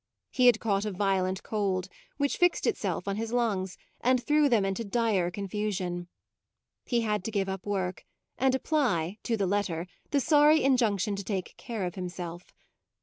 He had caught a violent cold, which fixed itself on his lungs and threw them into dire confusion. He had to give up work and apply, to the letter, the sorry injunction to take care of himself.